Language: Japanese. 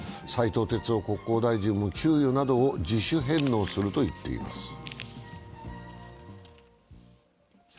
斉藤鉄夫国交大臣も給与などを自主返納すると言っています。